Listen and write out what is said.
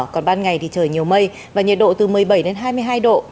còn ban ngày thì trời nhiều mây và nhiệt độ từ một mươi bảy đến hai mươi hai độ